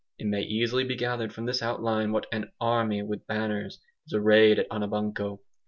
It may easily be gathered from this outline what an 'army with banners' is arrayed at Anabanco.